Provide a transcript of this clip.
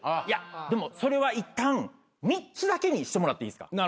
いやでもそれはいったん３つだけにしてもらっていいですか？